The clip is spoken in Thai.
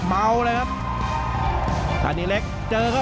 แต่ยังไม่ลดนะครับไอห์